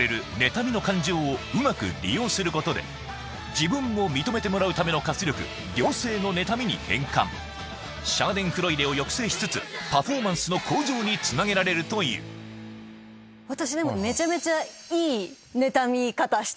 自分を認めてもらうための活力良性の妬みに変換シャーデンフロイデを抑制しつつパフォーマンスの向上につなげられるという私。